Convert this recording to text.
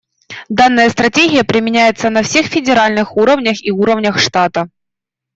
Данная стратегия применяется на всех федеральных уровнях и уровнях штата.